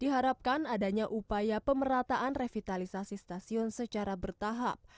diharapkan adanya upaya pemerataan revitalisasi stasiun secara bertahap